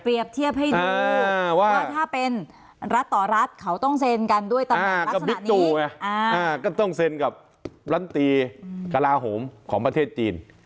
เทียบให้ดูว่าถ้าเป็นรัฐต่อรัฐเขาต้องเซ็นกันด้วยตำแหน่งก็ต้องเซ็นกับลำตีกระลาโหมของประเทศจีน